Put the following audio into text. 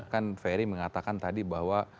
kan ferry mengatakan tadi bahwa